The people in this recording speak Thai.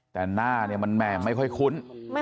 แต่หน้ามันไม่ค่อยคุ้น